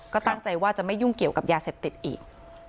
ก็ตั้งใจว่าจะไม่ยุ่งเกี่ยวกับยาเสพติดอีก